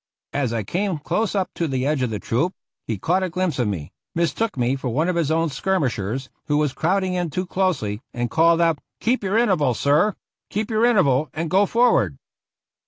As I 97 THE ROUGH RIDERS came close up to the edge of the troop, he caught a glimpse of me, mistook me for one of his own skirmishers who was crowding in too closely, and called out, "Keep your interval, sir; keep your interval, and go forward."